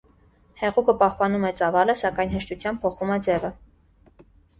Հեղուկը պահպանում է ծավալը, սակայն հեշտությամբ փոխում է ձևը։